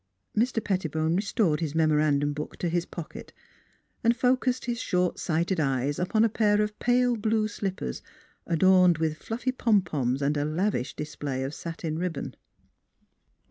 Mr. Pettibone restored his memorandum book to his pocket and focused his short sighted eyes upon a pair of pale blue slippers, adorned with fluffy pompons and a lavish display of satin ribbon.